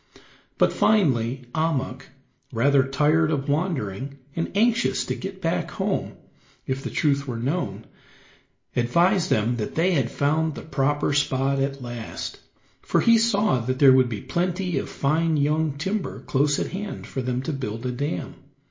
But finally Ahmuk, rather tired of wandering, and anxious to get back home, if the truth were known, advised them that they had found the proper spot at last, for he saw that there would be plenty of fine young timber close at hand for them to build a dam.